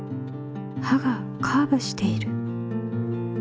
刃がカーブしている。